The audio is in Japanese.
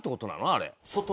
あれ。